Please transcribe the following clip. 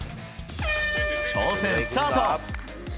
挑戦スタート。